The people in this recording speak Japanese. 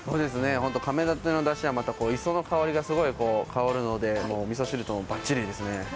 カメノテのだしは、また磯の香りがすごく香るので、みそ汁ともバッチリですね。